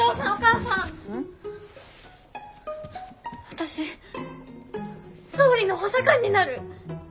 私総理の補佐官になる！